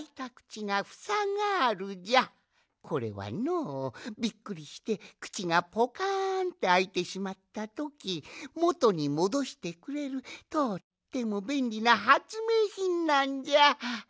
これはのびっくりしてくちがポカンってあいてしまったときもとにもどしてくれるとってもべんりなはつめいひんなんじゃ！